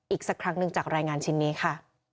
อีกสักครั้งหนึ่งจากรายงานชิ้นนี้ค่ะ